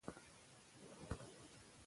سفیر په ګاډۍ کې له ناستې څخه انکار وکړ.